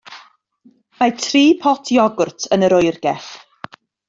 Mae tri pot iogwrt yn yr oergell.